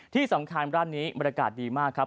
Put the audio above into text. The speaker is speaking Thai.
ที่สำคัญร้านนี้บรรยากาศดีมากครับ